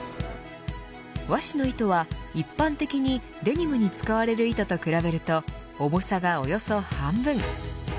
和紙の糸は、一般的にデニムに使われる糸と比べると重さがおよそ半分。